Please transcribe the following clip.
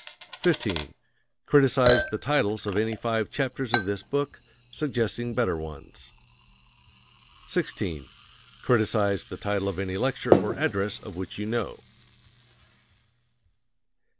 15. Criticise the titles of any five chapters of this book, suggesting better ones. 16. Criticise the title of any lecture or address of which you know.